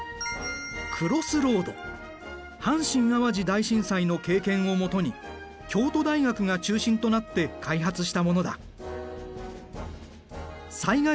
阪神・淡路大震災の経験を基に京都大学が中心となって開発したものだ。